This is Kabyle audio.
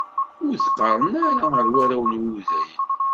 Ur t-qeṛṛen ara ar warraw n wudayen.